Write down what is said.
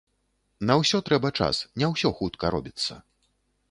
На ўсё трэба час, не ўсё хутка робіцца.